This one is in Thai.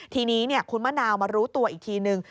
ทีนี้คุณมะนาวมารู้ตัวอีกทีนึง